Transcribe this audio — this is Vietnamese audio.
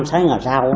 sáng ngày sau